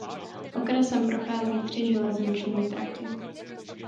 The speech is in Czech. Okresem prochází tři železniční tratě.